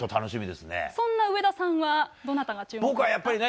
そんな上田さんはどなたが注目ですか？